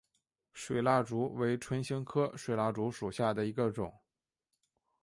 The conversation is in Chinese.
水蜡烛为唇形科水蜡烛属下的一个种。